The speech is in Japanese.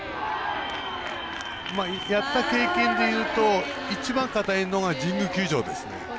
やった経験でいうと一番硬いのが神宮球場ですね。